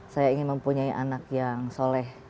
saya ingin mempunyai anak yang soleh